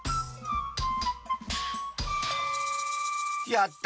やった！